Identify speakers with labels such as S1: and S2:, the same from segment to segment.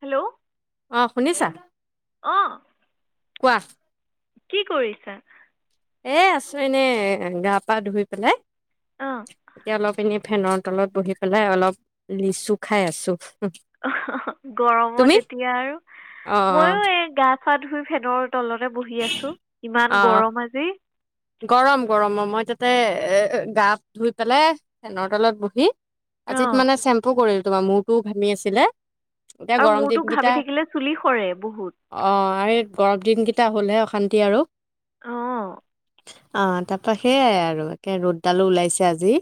S1: Hello
S2: অ শুনিছা
S1: আহ
S2: কোৱা
S1: কৰিছা
S2: এ আছো এনে গা পা ধুই পেলাই
S1: অঁ
S2: এতিয়া অলপ এনেই ফেনত তলত বহি পেলাই অলপ লিচু খাই আছো তুমি
S1: গৰমত এতিয়া আৰু
S2: অ
S1: মইয়ো এই গা চা ধুই ফেনৰ তলতে বহি আছো
S2: অ অ
S1: ইমান গৰম আজি
S2: গৰম গৰম অ মই তাতে এ গা ধুই পেলাই ফেনৰ তলত বহি আজিত
S1: অঁ
S2: মানে চেম্পু কৰিলো তোমাৰ মূৰটোও ভাবি আছিলে এতিয়া
S1: আৰু
S2: গৰম
S1: মূৰটো
S2: দিন
S1: ঘামি
S2: কেইটা
S1: থাকিলে চুলি সৰে বহুত
S2: অ আৰু এই গৰম দিনকেইটা এটা হ'লহে অশান্তি আৰু
S1: অ
S2: অ তাৰপা সেইয়াই আৰু একে ৰ'দডালো ওলাইছে আজি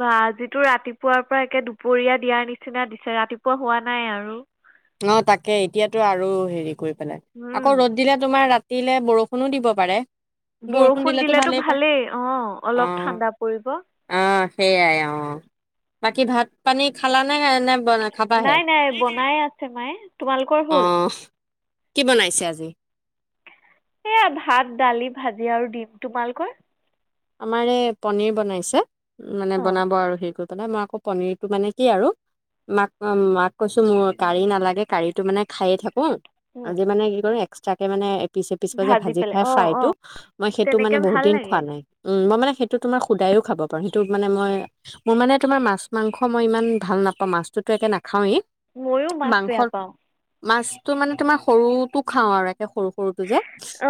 S1: বা আজিতো ৰাতিপুৱাৰ পৰা একে দুপৰীয়া দিয়াৰ নিচিনা দিছে ৰাতিপুৱা হোৱা নাই আৰু
S2: অ তাকে এতিয়াতো আৰু হেৰি কৰিব পাই আকৌ
S1: উম
S2: ৰদ দিলে তোমাৰ ৰা দিলে বৰষুণো দিব পাৰে
S1: বৰষুণ দিলেতো ভালেই অ অলপ
S2: অ',
S1: ঠাণ্ডা পৰিব
S2: অ', সেইয়াই অ বাকী ভাত পানী খালা নে ন ব খাবা হে
S1: চ মাইে তোমালোকৰ হল
S2: কি বনাইছে আজি
S1: সেয়া ভাত দালি ভাজি আৰু দিম তোমালোকৈ
S2: আমাৰ পনীৰ বনাইছা উ মানে বনাব আৰু সেই কত তানে মই আকৌ পনীৰটো মানে কি আৰু মাক মাক কৈছো মোৰ কাঢ়ি নালাগে কাঢ়ীটো মানে খায়ে থাকো
S1: অঁ
S2: আজি মানে কি কৰে এক্সট্ৰা কে মানে পিছে পিচফা যে ভাজি
S1: পেলাই
S2: খাই
S1: অ
S2: ফ্ৰাই
S1: অ
S2: টো মই সেইটো মানে
S1: তেনেকে
S2: বহুত
S1: ভাল
S2: দিন
S1: লাগে
S2: খোৱা নাই মই মানে সেইটো তোমাৰ সুদায়ও খাব পাৰো সেইটো মানে মই মোৰ মানে তোমাৰ মাছ মাংস মই ই ভাল নাপাও মাছতো একে ন খাওঁৱেই
S1: ময়ো মাছ
S2: মাংস
S1: বেয়া পাওঁ
S2: মাছটো মানে তোমাৰ সৰুতো খাওঁ আৰু সৰু সৰুটো যে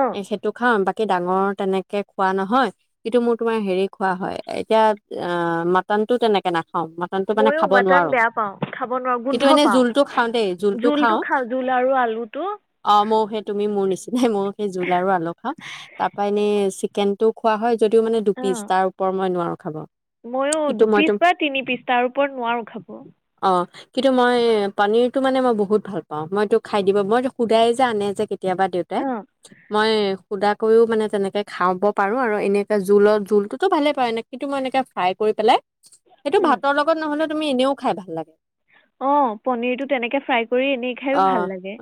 S1: অ
S2: এ সেইটো খাওঁ বাকী ডাঙৰ তেনেকে খোৱা নহয় কিন্তু মোৰ তোমাৰ হেৰি খোৱা হয় এতিয়া অ মাটনটো তেনেকে নাথে মাটনটো মানে
S1: ময়ো
S2: খাব
S1: মটন
S2: নোৱাৰো
S1: বেয়া পাওঁ খাব নোৱাৰো
S2: কিন্তু
S1: গোন্ধ
S2: এনে
S1: পাওঁ
S2: জোলটো খাও দেই জোলটো খাও
S1: খাওঁ জোল আৰু আলুটো
S2: অ মৌ সে তুমি মোৰ নিচিনা মই সেই জোল আৰু আলু খাওঁ তাৰ পৰা এনে জোলটো খোৱা হয় যদিও মানে
S1: অ
S2: দুপিছ তাৰ ওপৰ মই নোৱাৰো খাব
S1: ময়ো
S2: কিন্তু মইতো
S1: দুপিচ বা তিনি পিচ তাৰ ওপৰত নোৱাৰো খাবো।
S2: অ কিন্তু মই পনীৰটো মানে মই বহুত ভাল পাওঁ। মইটো খ খাই দিব, মই সুদাই যে আনে যে কেতিয়া দেউতাই মই সোধাক কৈও মানে তেনেকে খাব পাৰো আৰু এনে হে জোলত জোলটোতো ভালে পায় এ নে কিন্তু মই এনেকে ফ্ৰাই কৰি পেলাই সেইটো
S1: উম
S2: ভাতৰ লগত নহ'লে তুমি এনেও খাই ভাল লাগে।
S1: অ পনিৰটো তেনেকে ফ্ৰাই কৰি দি খাইয়ো ভাল লাগে।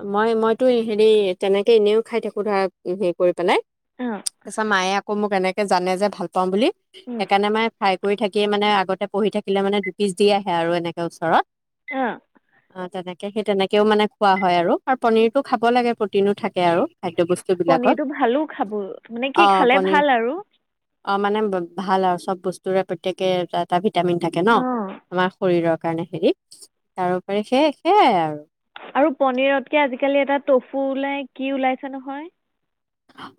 S2: তো হেৰি তেনেকে এনেও খাই থাকো ধৱাব হেৰি কৰি পেলাই।
S1: অ
S2: এছা মায়া কম কানে একে জানে যে ভাল পাওঁ বুলি।
S1: উম
S2: সেইকাণে মে ফ্ৰাই কৰি থাকিয়ে মানে আগতে পঢ়ি থাকিলে মানে ডুপিচ দি আহে আৰু এনেকে ওচৰত।
S1: অ।
S2: অ তেনেকে সেই তেনেক কেও মানে খোৱা হয় আৰু পনিৰতটো খাব লাগে প্ৰটিনো থাক
S1: পনিৰটো ভালো খাবো মানে কি
S2: অ'
S1: খালে
S2: পনীৰ
S1: ভাল আৰু।
S2: অ মানে ভাল আৰু চব বস্তুৰে প্ৰত্যেকে এটা এটা ভিত ভিটামিন থাকে ন
S1: অ
S2: আমাৰ শৰীৰত কাৰণে সি তাৰপৰি সেই, সেয়াই আৰু
S1: আৰু পনিৰতকে আজিকালি এটা টফু ওলাই কি ওলাইছে নহয়।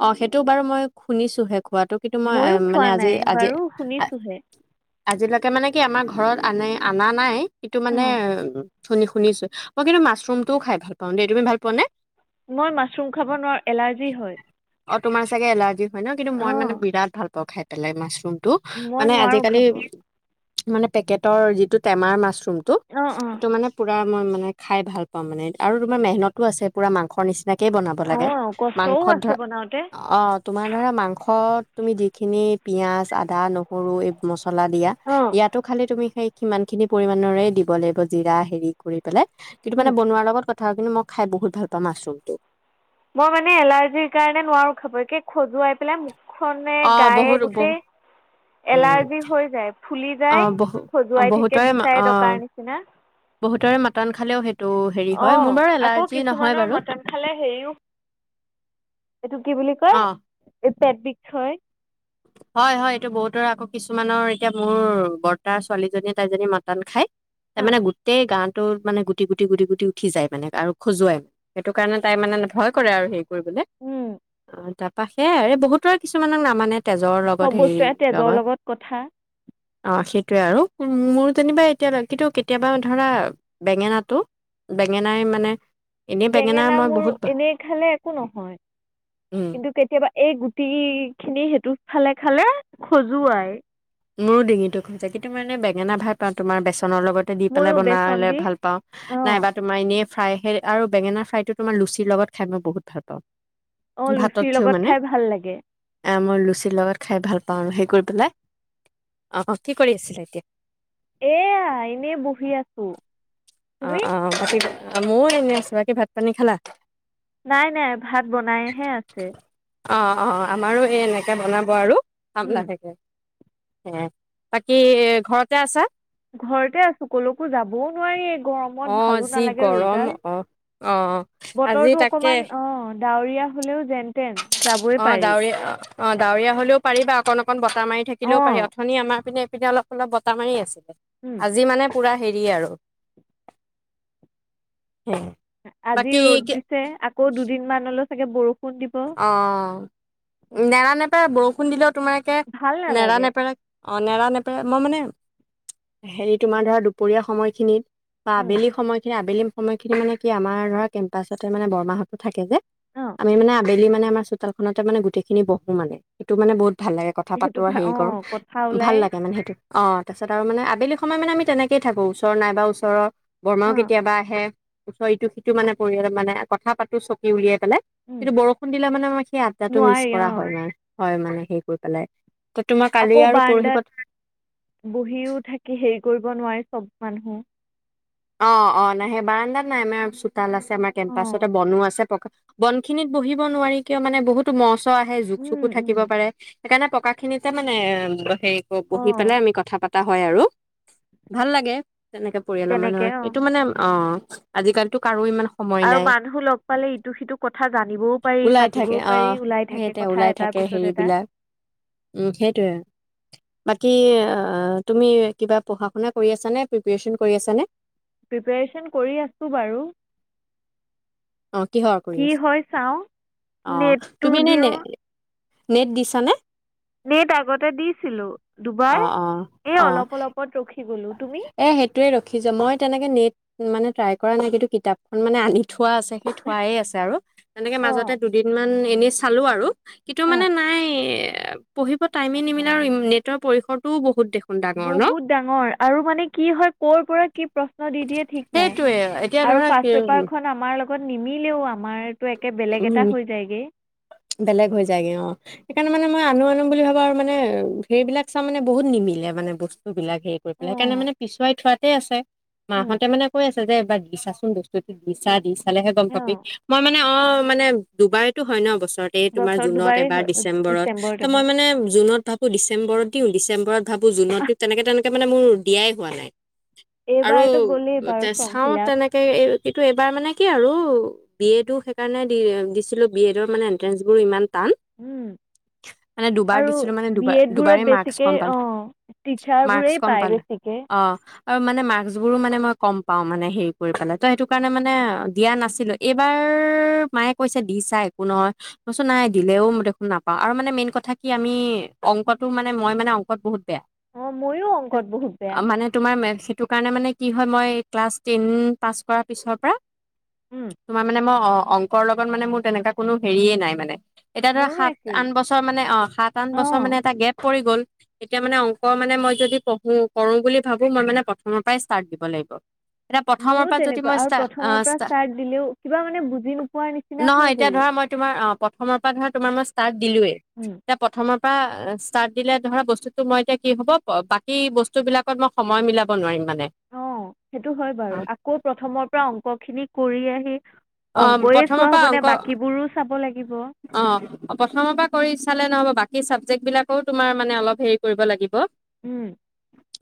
S2: অ সেইটো বাৰু মই শুনিছোহে। খোৱাতটো কিন্তু মই
S1: ময়ো খোৱা
S2: মানে আজি,
S1: নাই
S2: আজি
S1: বাৰু শুনিছোহে
S2: আজিলৈকে তাকে মানে কি আমাৰ ঘৰত আনে অনা নাই। সটো
S1: অ
S2: মানে উ শুনি শুনিছো মই কিন্তু মাছৰুমটোও খাই ভাল পাওঁ দেই। তুমি ভাল পোৱা নে?
S1: মই মাছৰুম খাব নোৱাৰো এলাৰ্জি হয়।
S2: অ তোমাৰ চাগে এল আজি হয় ন কিন্তু মই
S1: অঁ
S2: মানে বিৰাট ভাল পাওঁ খাই। এেলাই মাছ্ৰম। টো
S1: মই
S2: মানে
S1: নোৱাৰোঁ
S2: আজিকালি।
S1: খাব
S2: মানে পেকেটৰ যিটো টেমাৰ মাছ। খোমতো
S1: অঁ অঁ
S2: সেইটো মানে পুৰা মই ম খাই ভাল পাওঁ মানে আৰু তোমাৰ মেহনতো আছে পুৰা মাংস নিচিনা। ভালেই বনাব লাগে
S1: অঁ কষ্টও
S2: মাংসত
S1: আছে
S2: ধৰা।
S1: বনাওঁতে
S2: অ তোমাৰ ধৰা মাংস। তুমি যিখিনি পিয়াজ আদা নহৰু এই মছলা। মচলা দিয়া
S1: অঁ
S2: ইয়াতো খালি তুমি সেই সিমান খিনি পৰিমানৰে দিব লাগিব জিৰা হেৰি কৰি লে কিন্তু মানে বনোৱাৰ লগত কথাও কিন্তু মই খাই বহুত ভাল পাওঁ মাছৰুমটো।
S1: মই মানে এলাৰ্জিৰ কাৰণে নোৱাৰো খাবকে খজুৱাই পেলাই। খনে
S2: অ'
S1: গায়ে
S2: বহুত বহু
S1: গোটেই এলাৰ্জি হৈ যায় ফুলি
S2: অ'
S1: যায়
S2: বহু অ',
S1: খজুৱাই থাকে
S2: বহুতৰে
S1: বিচাৰে
S2: অ'
S1: দকাৰ নিচিনা।
S2: বহুতৰে মাতন খালেও সেই
S1: অ আকৌ কিছুমানৰ
S2: বাৰু
S1: মটন খালে হেৰিও এইটো কি বুলি
S2: অ'
S1: কয় পেট বিষ হয়
S2: হয় হয় এইটো বহুতৰ আকৌ কিছুমানৰ এতিয়া মোৰ বৰ্তাৰ ছোৱালীজনীয়ে তাইজনী মটন খায় তাৰ মানে গোটেই গাত। মানে গুটি গুটি গুটি গুটি উঠি যায় মানে আৰু খজুৱাই মানে সেইটো কাৰণে তাই মানে ভয় কৰে আৰু সে কৰিব অ
S1: উম,
S2: তাত। পাশে বহুতো আৰু কিছুমানক নামানে তেজৰ লগত
S1: চব
S2: হেৰি
S1: বস্তু এ তেজৰ লগত কথা
S2: অ সেইটোৱে আৰু মোৰ যেনিবা এতিয়া কিন্তু কেতিয়াবা ধৰা বেঙেনাটো বেঙেনাই মানে এনেই
S1: বেঙেনা
S2: মই
S1: মোৰ
S2: বহুত ভা-
S1: এনেই খালে একো নহয়
S2: উম
S1: কিন্তু কেতিয়াবা। এই গুটি খিনি সেইটো খালে খালে খজুৱাই
S2: মোৰো ডিঙিটো খজুৱাই কিন্তু মই মানে বেঙেনা ভাল পাওঁ তোমাৰ বেছ। নৰ লগতে দি পেলাই
S1: ময়ো বেচন
S2: বনলে
S1: দি
S2: ভাল পাও
S1: অঁ
S2: নাইবা তোমাৰ এনেই ফ্ৰাই সে আৰু বেঙেনা ফ্ৰাইটো তোমাৰ লুচিৰ লগত খাই মই বহুত ভাল পাওঁ
S1: অ
S2: ভাতত
S1: লুচিৰ
S2: থিও
S1: লগত
S2: মানে
S1: খাই ভাল লাগে
S2: এ মই লুচিৰ লগত খাই ভাল পাও ন সেই কৰি পেলাই অ কি কৰি আছিলে এতিয়া
S1: এয়া এনে বহি আছো
S2: অ অ ময়ো এনে আছো বাকী ভাত পানী খালা
S1: নাই নাই ভাত বনাইহে আছে
S2: অ অ আমাৰো এই এনেকৈ বনাব আৰু খাম
S1: উম,
S2: লাহেকৈ হ বাকী ঘৰতে আছা
S1: ঘৰতে আছো ক'লৈকো যাবও নোৱাৰি গৰমত
S2: আহ
S1: ভালো
S2: যি
S1: নালাগে
S2: গৰম
S1: ৰ'দডাল
S2: আহ আহ
S1: বতৰটো
S2: আজি তাকে
S1: অকণমান অঁ ডাৱৰীয়া হ'লেও যেন তেন যাবই
S2: অ',
S1: পাৰি
S2: ডাৱৰীয়া অ-অ, ডাৱৰীয়া হলেও পাৰি বা অকণ-অকণ বতাহ মাৰি থাকিলেও
S1: অঁ
S2: পাৰি অথনি আমাৰ পিনে পিনে অলপ-অলপ বতাহ মাৰি আছিল। আজি মানে পুৰা হেৰি আৰু।
S1: আজি
S2: বাকী
S1: ৰ'দ দিছে আকৌ দুদিন মানলৈ চাগে বো
S2: অ', নান নে এ বৰষুণ দিলত তোমালোকে
S1: ভাল
S2: নেৰা
S1: নালাগে
S2: নেপেৰা অঁ, নেৰা নেপেৰা মই মানে হেৰি তোমাৰ ধৰা দুপৰীয়া সময়খিনিত বা আবেলি সময়খিনি, আবেলি সময় খিনি মানে কি আমাৰ ধৰা কেম্পাছতে মানে বৰমাহতো থাকে যে,
S1: অঁ
S2: আমি মানে বেল মানে আমাৰ চোতালত খনত মানে গোটেই খিনি বহো মানে সটো মানে বহুত ভাল লাগে কথা পাতো
S1: সেইটো
S2: আৰু
S1: ভা-
S2: হেৰি
S1: অ
S2: কৰো
S1: কথা ওলাই
S2: ভাল লাগে মানে সেইটোত। অঁ, তাৰপিছত আৰু মান আবেলি সময় মান আম তেনেকেই থাকো ওচৰ নাই বা ওচৰৰ
S1: অ
S2: বৰমাও কেতিয়াবা আহে। উ', ইটো-সিটো মানে পৰিয়াল মানে কথা পাতো চকি উলিয়াই
S1: উম
S2: কি বৰ দিলে মানে সেই আদদাটো মিছ
S1: নোৱাৰি অ
S2: কৰা হয় নাই। হয় মানে হে কৰি পেলাই ত তোমাৰ কালি
S1: আকৌ
S2: আৰু পৰহি
S1: বাৰানডাত
S2: পত
S1: বহিও থাকি। সেই কৰিব নোৱাৰি চব মানুহ
S2: অ-অ নাই সেই বাৰানদাত নাই, আমাৰ চোতাল আছে আমাৰ
S1: অ
S2: কেম্পাছতে বনো আছে। বনখিনিত বহিব নোৱাৰি কিয় মানে বহুতো মস আহে
S1: উম
S2: জুক-চুকো
S1: উম
S2: থাকিব পাৰে। সেইকাৰণে পকা খিনি যে মানে সেই কৰো
S1: অ
S2: বহি পেলাই আমি কথা, পা টা হয় আৰু ভাল লাগে। তেনেকে পৰিয়ালৰ মা সেইটো মানে অ', অ', আজি কালিতো কাৰো ইমান সময়
S1: আৰু
S2: নাই
S1: মানুহ লগ পালে ইটো-সিটো কথা জানিবও পাৰি
S2: ওলাই
S1: পাতিবও
S2: থাকে অ
S1: পাৰি ওলাই থাকে
S2: সেইতে
S1: কথা
S2: ওলাই
S1: এটাৰ
S2: থাকে
S1: পিছত এটা।
S2: হেৰিবিলাক কি তুমি কিবা পঢ়া শুনা কৰি আছানে? প্ৰিপেৰেচন কৰি আছানে?
S1: প্ৰিপৰেশন কৰি আছো বাৰু
S2: অ কিহৰ কৰি
S1: কি
S2: আছা
S1: হয় চাও
S2: আহ
S1: নেটটো
S2: তুমি এনে
S1: দিও
S2: নে নেট দিছানে
S1: নেট আগতে দিছিলো দুবাৰ
S2: অ অ
S1: এই
S2: অ
S1: অলপ অলপত ৰখি গলো তুমি
S2: এ সেইটোৱে ৰখি যাই মই তেনেকে নিট মানে ট্ৰাই কৰা নাই কিন্তু কিতাপখন মানে আনি থো থোৱা আছে সেই থোৱাই আছে আৰু তেনেকে
S1: অ
S2: মাজতে দুদিনমান এনেই চালোঁ আৰু কিন্তু
S1: অ
S2: মানে নাই এ পঢ়িব টাইমে নিমিলে আৰু নেটৰ পৰিসৰটোও বহু হুত দেখোন ডাঙৰ ন
S1: বহুত ডাঙৰ আৰু মানে কি হয় ক'ৰ পৰা কি প্ৰশ্ন দি দিয়ে ঠিক নাই
S2: সেইটোৱে এতিয়া
S1: আৰু
S2: ধৰা কি
S1: ফাৰ্ষ্ট পেপাৰখন আমাৰ লগত নিমিলেও আমাৰ
S2: উম্ বেলেগ হৈ যায়গে অ সেইকাৰণে মানে মই আনো আ নো বুলি ভাবো আৰু মানে সেইবিলাক চাই মানে বহুত নিমিলে মানে বস্তুবিলাক হেৰি কৰি পেলাই সেইকাৰণে
S1: অ',
S2: মানে পিছুৱাই থোৱাতে আছে মা
S1: উম।
S2: হঁতে মানে কৈ আছে যে এবাৰ দি চাছো ন দিছা দিচ চালেহে গম পাবি
S1: অ',
S2: মই মানে অ মানে দুবাৰেতো হয় ন বস্তু এ তোমাৰ
S1: বছৰত
S2: জুনত
S1: দুবাৰেই
S2: এবাৰ
S1: হয়
S2: ডিচম্বৰত
S1: ডিচেম্বৰত
S2: ত মই
S1: এবাৰ।
S2: মানে জুনত ভাবো ডিচেম্বৰত দিওঁ ডিচেম্ব ডিচেম্বত ভাবো জুনত
S1: আহ,
S2: দিওঁ তেনেকে তেনেকে মানে মোৰ দিয়াই হোৱা নাই আৰু
S1: এইবাৰতো গ'লেই বাৰু ফৰ্ম
S2: চাওঁ
S1: ফিল আপ।
S2: তেনেকে কিন্তু এইবাৰ মানে কি আৰু বি এ টো সেইকাৰণে দি দিছিলো বি এডৰ মানে এন্ট্ৰেন্ঞ্চ বোৰ ইমান টান
S1: উম
S2: মানে দুবাৰ
S1: আৰু
S2: দিছিলো মানে
S1: বি
S2: দুবাৰ
S1: এড
S2: দুবাৰেই
S1: বোৰত
S2: মাৰ্কচ
S1: বেছিকে
S2: কম পালো
S1: অ টিচাৰ
S2: মাৰ্কচ
S1: বোৰেই
S2: কম
S1: পায়
S2: পালো
S1: বেছিকে
S2: অ আৰু মানে মাৰ্কচবোৰো মানে মই কম পাওঁ মানে হেৰি কৰি পেলাই তো সেইটো কাৰণে মানে দিয়া নাছিলোঁ এইবাৰ মায়ে কৈছে দি চা একো নহয় ম‌ই কৈছো নাই দিলেও মই দেখোন নাপাওঁ আৰু মানে মেইন কথা কি আমি অংকটো মানে মই মানে অংকত বহুত বেয়া
S1: অ', ময়ো অংকত বহুত বেয়া।
S2: আৰু মানে তোমাৰ মেথছ শি টোৰ কাৰণে মানে কি হয় মই ক্লাছ টেন পাছ কৰা পিছৰ পৰা
S1: উম।
S2: তোমাৰ মানে মই অ অংক অংকৰ লগত মানে মোৰ তেনেকুৱা কোনো হেৰিয়ে নাই মানে এতিয়া ধৰা
S1: মোৰো
S2: সাত
S1: একেই
S2: আঠ বছৰ মানে অ সাত আঠ
S1: অ'।
S2: বছৰ মানে এটা গেপ পৰি গ'ল। তেতিয়া মানে অংক মানে মই যদি পঢ়ো কৰো বুলি ভাবো মই মানে প্ৰথমৰ পৰাই ষ্টাৰ্ট দিব লাগিব। প্ৰথমৰ
S1: মোৰো
S2: পৰা যদি
S1: তেনেকুৱা
S2: মই
S1: আৰু
S2: ষ্টা অ
S1: প্ৰথমৰ পৰা
S2: ষ্টা
S1: ষ্টাৰ্ট দিলেও কিবা মানে বুজি নো
S2: নহয় এতিয়া ধৰা মই তোমাৰ অ অসমৰ পৰা ধৰা তোমাৰ মই ষ্টাত দিলো
S1: উম।
S2: এয়া প্ৰথমৰ প্ৰথমৰ পৰা ষ্টাৰট দিলে ধৰা, বস্তুতো মই এতিয়া কি হ'ব বাকী বস্তু বিলাকত মই সময় মিলাব নোৱাৰিম। মানে
S1: অ সেইটো হয় বাৰু। আকৌ প্ৰথমৰ পৰা অংক খিনি কৰি আহি
S2: অ
S1: অংকয়ে
S2: প্ৰথমৰ
S1: চোৱা
S2: পৰা
S1: হ'বনে
S2: অংক
S1: বাকীবোৰো চাব লাগিব
S2: অ প্ৰথমৰ পৰা কৰি চালে নহ'ব বাকী বাকী চাবজেক্ট বিলাকো তোমাৰ মানে অলপ হেৰি কৰিব লাগিব
S1: উম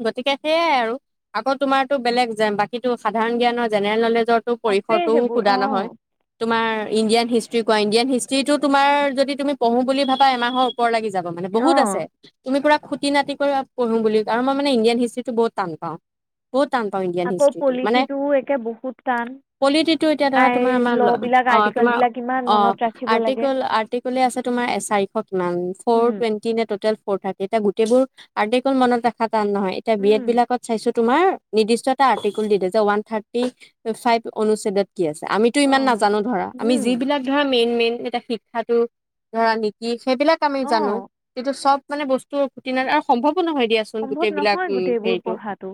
S2: গতিকে সেইয়াই আৰু আকৌ তোমাৰতো বেলেগ বাকী টো সাধাৰণ জ্ঞানৰ জেনেৰেল নলেজ সুত্ৰটো পৰিসৰটো
S1: উ
S2: তোমাৰ ইণ্ডিয়ান হিষ্ট্ৰী কোৱা ইণ্ডিয়ান হিষ্ট্ৰ্ৰী তো তোমাৰ যদি তুমি পঢ়ো বুলি ভাবা এমাহৰ ওপৰ লাগিছে। যাব মানে বহুত
S1: অঁ
S2: আছে তুমি পুৰা খুটি নাতি কৰি পঢ়ো বুলি আৰু মই মানে ইণ্ডিয়ান হিষ্ট্ৰ্ৰীটো বহুত টান পাওঁ। বহুত টান পাওঁ। ইণ্ডিয়ান
S1: আকৌ
S2: হিষ্ট্ৰিটো মানে
S1: পলিটিটোও একে বহুত টান
S2: পলিট
S1: আই
S2: তোমাৰ আমাৰ
S1: ল'বিলাক
S2: আ তোমাৰ
S1: আৰ্টিকলবিলাক ইমান
S2: আ
S1: মনত ৰাখিব লাগে
S2: আৰ্তিকুলে আৰ্তিকুলে আছে তোমাৰ চাৰিশ কিমান ফৰ টোৱেনটি নে টোটেল ফ'ৰ থাৰতি তা গোটেইবোৰ আৰ্টিকুল মনত ৰাখা নহয় এতিয়া বি এড বিলাকত চাইছো তোমাৰ নিৰ্দিষ্ট এটা আটিকুল দি যে ৱান থাৰ্টি ফাইভ অণু কি আছে আমিতো ইমান
S1: অঁ
S2: নাজানো ধৰা। আমি যিবিলাক ধৰা মেইন মেইন। এতিয়া শিক্ষাটো ধৰা নেকি। সেইবিলাক আমি জানো
S1: অঁ
S2: যিটো চব। মানে বস্তু টি ন আৰু সম্ভৱ নহয় দিয়াচোন
S1: সম্ভৱ
S2: গোটেই বিলাক
S1: নহয়
S2: উ
S1: গোটেইবোৰ
S2: হেৰিটো
S1: পঢ়াটো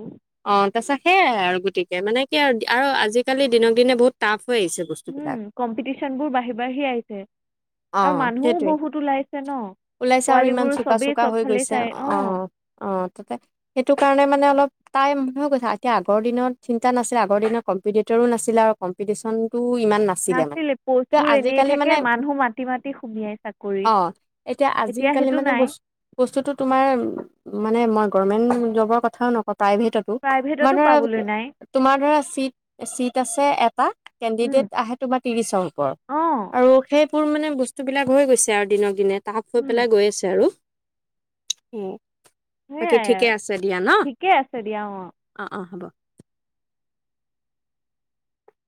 S2: অ তাৰ পাছ সেয়াই আৰু গতিকে মানে কি আৰু আৰু আজিকালি দিনক দিনে বহুত। তাফ
S1: উম কম্পিটিশন বোৰ বাঢ়ি, বাঢ়ি আহিছে
S2: অ
S1: আৰু মানুহও
S2: সেইটোৱে
S1: বহুত ওলাইছে ন
S2: ওলাইছে আৰু
S1: পোৱালী
S2: ইমান
S1: বোৰ
S2: চোকা
S1: চবেই
S2: চোকা হৈ
S1: চবফালে
S2: গৈছে
S1: চাই অ।
S2: অ তাতে সেইটো কাৰণে মানে অলপ তাই ম হৈ গৈছে, এতিয়া আগৰ দিনত চিন্তা নাছিল আগৰ দিনত কম্পিটিটৰো নাছিলে আৰু ক কম্পিটিচন টো ইমান নাছিলে মানে, ত
S1: প'ষ্টবোৰ
S2: আজি
S1: এনেই
S2: কালি
S1: থাকে
S2: মানে
S1: মানুহ মাতি মাতি সুমিয়াই চাকৰিত
S2: অ এতিয়া আজিকালি
S1: সেইটো
S2: বস্তুটো
S1: নাই
S2: মানে বস্তুটো তোমাৰ মানে গৰমেণ্ট জবৰ কথাও নকয়। প্ৰাইভেটতো তোমাৰ
S1: প্ৰাইভেটতো পাবলৈ
S2: ধৰা
S1: নাই
S2: তোমাৰ ধৰা চিট চিট আছে। কেনডিডেট আহে তোমাৰ ত্ৰিশৰ ওপৰত
S1: অঁ
S2: আৰু সেই সেইবোৰ মানে বস্তুবিলাক হৈ গৈছে আৰু দিনক দিনে টাফ হৈ পেলাই গৈ আছে আৰু উম বাকী
S1: সেয়াই
S2: ঠিকে
S1: আৰু
S2: আছে দিয়া ন
S1: ঠিকে আছে দিয়া অঁ
S2: অ অ হ'ব।